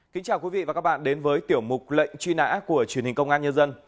kính chào quý vị và các bạn đến với tiểu mục lệnh truy nã